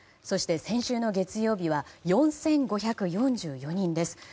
そして先週の月曜日は４５４４人です。